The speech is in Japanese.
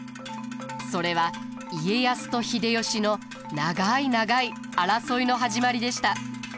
それは家康と秀吉の長い長い争いの始まりでした。